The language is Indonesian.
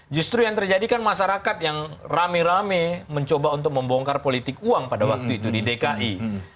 justru yang terjadi kan masyarakat yang rame rame mencoba untuk membongkar politik uang pada waktu itu di dki